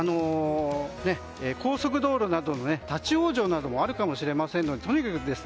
高速道路などの立ち往生などもあるかもしれませんのでとにかく